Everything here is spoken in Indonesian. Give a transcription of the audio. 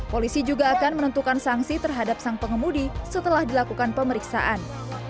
polisi juga akan menentukan sanksi terhadap sang pengemudi setelah dilakukan pemeriksaan